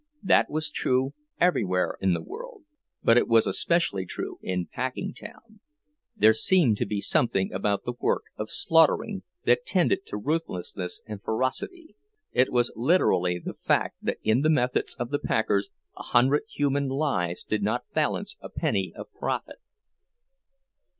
That was true everywhere in the world, but it was especially true in Packingtown; there seemed to be something about the work of slaughtering that tended to ruthlessness and ferocity—it was literally the fact that in the methods of the packers a hundred human lives did not balance a penny of profit.